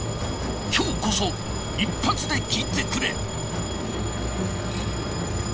今日こそ一発で効いてくれ。